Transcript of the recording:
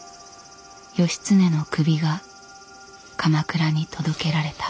義経の首が鎌倉に届けられた。